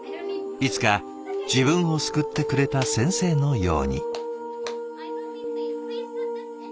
いつか自分を救ってくれた先生のように。